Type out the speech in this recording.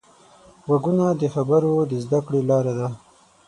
غوږونه د خبرو د زده کړې لاره ده